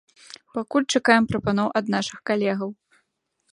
Пакуль чакаем прапаноў ад нашых калегаў.